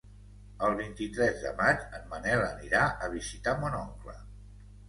El vint-i-tres de maig en Manel anirà a visitar mon oncle.